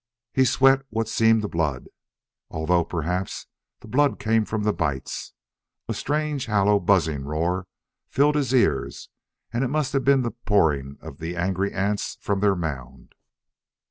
He sweat what seemed blood, although perhaps the blood came from the bites. A strange, hollow, buzzing roar filled his ears, and it must have been the pouring of the angry ants from their mound.